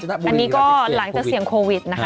อันนี้ก็หลังจากเสี่ยงโควิดนะคะ